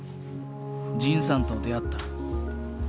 仁さんと出会った。